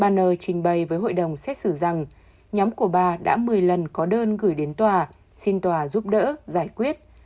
bàner trình bày với hội đồng xét xử rằng nhóm của bà đã một mươi lần có đơn gửi đến tòa xin tòa giúp đỡ giải quyết